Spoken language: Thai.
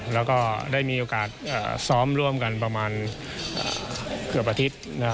แล้วก็ได้มีโอกาสซ้อมร่วมกันประมาณเกือบอาทิตย์